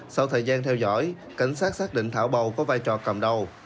sau thời gian theo dõi cảnh sát xác định thảo bầu có vai trò cầm đầu